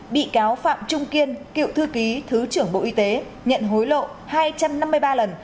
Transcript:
bị cáo phạm trung kiên cựu thư ký thứ trưởng bộ y tế nhận hối lộ hai trăm năm mươi ba lần